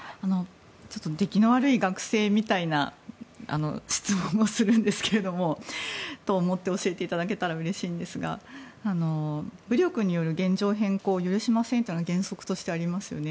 ちょっと出来の悪い学生みたいな質問をするんですけれども思って教えていただけたらうれしいんですが武力に現状変更を許しませんというのがありますよね。